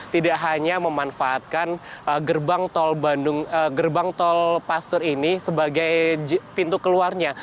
tidak hanya memanfaatkan gerbang tolpaster ini sebagai pintu keluarnya